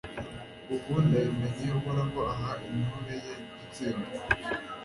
Ubu ndabimenye Uhoraho aha intore ye gutsinda